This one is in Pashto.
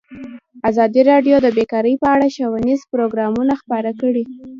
ازادي راډیو د بیکاري په اړه ښوونیز پروګرامونه خپاره کړي.